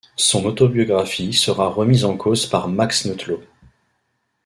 Son autobiographie sera remise en cause par Max Nettlau.